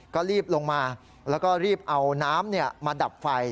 ก็รีบลงมาแล้วก็รีบเอาน้ำมาดับไฟ